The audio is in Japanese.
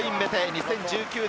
２０１９年